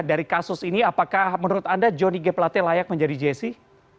dari kasus ini apakah menurut anda johnny g pelate layak menjadi jastis